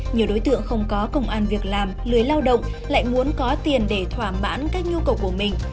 nhiều đối tượng không có công an việc làm lười lao động lại muốn có tiền để thỏa mãn các nhu cầu của mình